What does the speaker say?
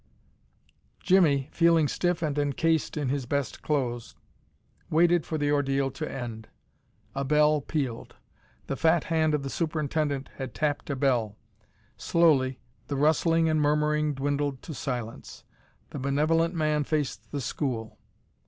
Jimmie, feeling stiff and encased in his best clothes, waited for the ordeal to end. A bell pealed: the fat hand of the superintendent had tapped a bell. Slowly the rustling and murmuring dwindled to silence. The benevolent man faced the school.